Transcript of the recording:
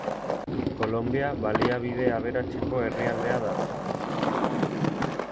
Kolonbia baliabide aberatseko herrialdea da.